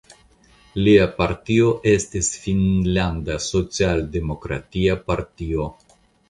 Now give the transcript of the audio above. Lia partio estis Finnlanda Socialdemokratia Partio.